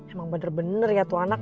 emang bener bener ya tuh anak